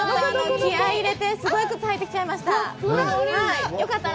気合い入れて、すごい靴はいてきちゃいました。